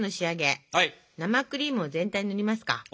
生クリームを全体に塗りますか。ＯＫ！